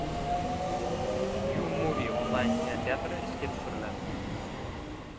Umovie onlayn kinoteatri ishga tushiriladi